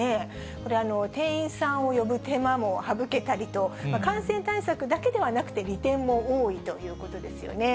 これ、店員さんを呼ぶ手間も省けたりと、感染対策だけではなくて、利点も多いということですよね。